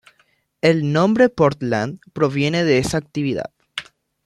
El nombre Portland proviene de esa actividad.